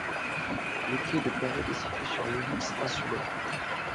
Le quai de Paris est situé sur l’Ellipse insulaire.